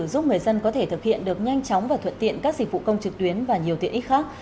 giúp người dân có thể thực hiện được nhanh chóng và thuận tiện các dịch vụ công trực tuyến và nhiều tiện ích khác